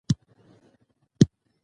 سیاسي زغم د قومونو ترمنځ د همغږۍ وسیله ده